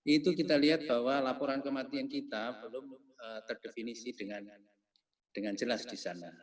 itu kita lihat bahwa laporan kematian kita belum terdefinisi dengan jelas di sana